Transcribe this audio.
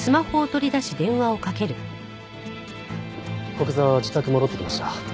古久沢は自宅に戻ってきました。